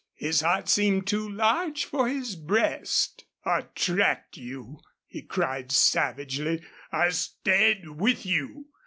His heart seemed too large for his breast. "I tracked you!" he cried, savagely. "I stayed with you!